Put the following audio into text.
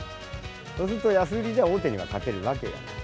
そうすると安売りじゃ大手には勝てるわけがない。